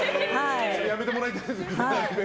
やめてもらいたいですね。